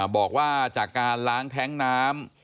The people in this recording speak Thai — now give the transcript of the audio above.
บอกว่าจากการล้างแท้งน้ำ